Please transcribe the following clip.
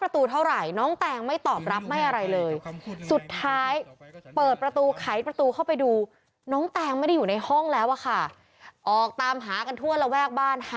ตามหากันทั่วแลวแวกบ้าน